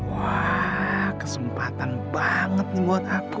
wah kesempatan banget nih buat aku